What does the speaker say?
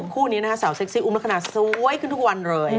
คู่นี้นะคะสาวเซ็กซี่อุ้มลักษณะสวยขึ้นทุกวันเลย